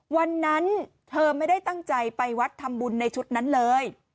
วันนั้นเธอไม่ได้ตั้งใจไปวัดทำบุญในชุดนั้นเลย